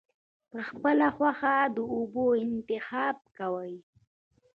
پۀ خپله خوښه د اوبو انتخاب کوي -